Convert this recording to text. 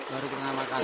baru pertama kali